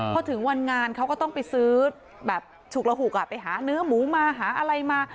พอถึงวันงานเขาก็ต้องไปซื้อแบบฉุกระหุกไปหาเนื้อหมูมาหาอะไรมา